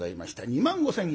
２万５，０００